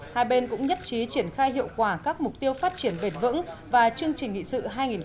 hai bên cũng nhất trí triển khai hiệu quả các mục tiêu phát triển bền vững và chương trình nghị sự hai nghìn ba mươi